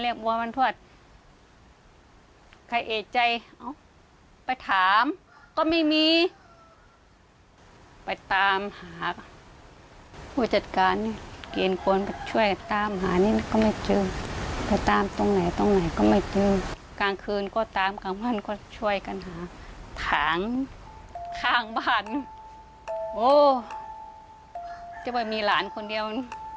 โอ้วจะบอกว่ามีหลานคนเดียว